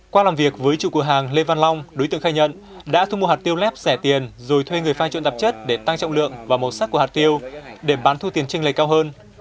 qua làm việc với chủ cửa hàng lê văn long đối tượng khai nhận đã thu mua hạt tiêu lép sẻ tiền rồi thuê người pha trộn tạp chất để tăng trọng lượng và màu sắc của hạt tiêu để bán thu tiền tranh lệch cao hơn